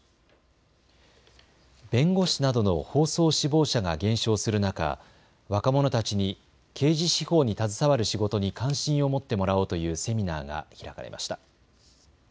弁護士などの法曹志望者が減少する中、若者たちに刑事司法に携わる仕事に関心を持ってもらおうというセミナーが開かれました。